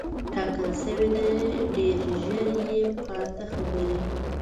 ټاکل شوې ده ډېر ژر یې پاتې برخې